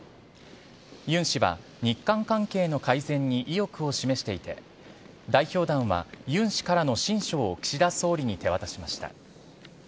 ユン氏は日韓関係の改善に意欲を示していて、代表団はユン氏からの親書を岸田総理に手渡しました。